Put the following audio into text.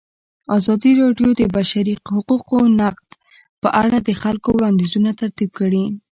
ازادي راډیو د د بشري حقونو نقض په اړه د خلکو وړاندیزونه ترتیب کړي.